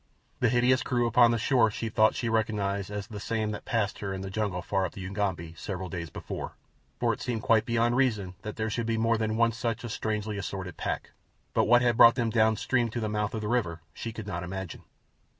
The hideous crew upon the shore she thought she recognized as the same that had passed her in the jungle far up the Ugambi several days before, for it seemed quite beyond reason that there should be more than one such a strangely assorted pack; but what had brought them down stream to the mouth of the river she could not imagine.